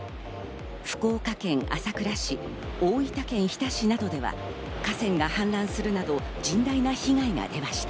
福岡県朝倉市、大分県日田市などでは河川が氾濫するなど、甚大な被害が出ました。